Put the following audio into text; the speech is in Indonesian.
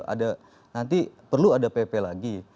ada nanti perlu ada pp lagi